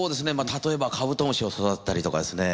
例えばカブトムシを育てたりとかですね